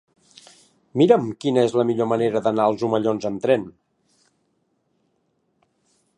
Mira'm quina és la millor manera d'anar als Omellons amb tren.